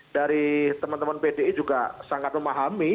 dari teman teman pdi juga sangat memahami